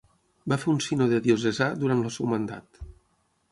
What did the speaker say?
Va fer un sínode diocesà durant el seu mandat.